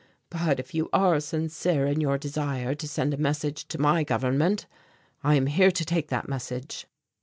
But if you are sincere in your desire to send a message to my Government, I am here to take that message."